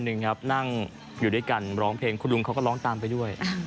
หนึ่งครับนั่งอยู่ด้วยกันร้องเพลงคุณลุงเขาก็ร้องตามไปด้วย